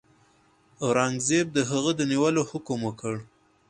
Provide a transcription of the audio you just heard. اورنګزېب د هغه د نیولو حکم وکړ.